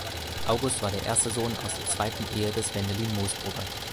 August war der erste Sohn aus der zweiten Ehe des Wendelin Moosbrugger.